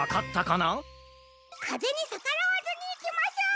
かぜにさからわずにいきます！